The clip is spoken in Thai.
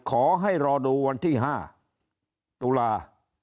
ขอให้รอดูวันที่๕ตุลา